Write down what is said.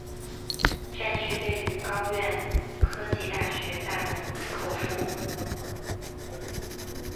站区位于高苑科技大学大门口处。